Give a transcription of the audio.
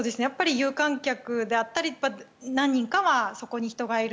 有観客であったり何人かはそこで人がいる。